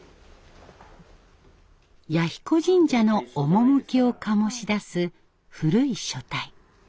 彌彦神社の趣を醸し出す古い書体。